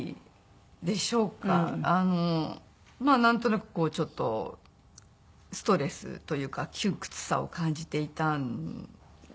なんとなくちょっとストレスというか窮屈さを感じていたんでしょうかね。